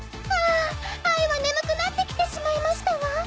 あああいは眠くなってきてしまいましたわ